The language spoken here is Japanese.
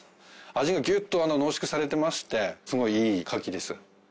味がギュッと濃縮されてましてすごいいいカキです。